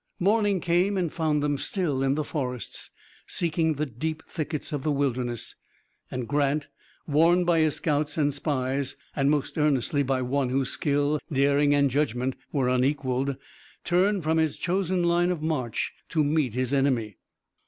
Morning came and found them still in the forests, seeking the deep thickets of the Wilderness, and Grant, warned by his scouts and spies, and most earnestly by one whose skill, daring and judgment were unequaled, turned from his chosen line of march to meet his enemy.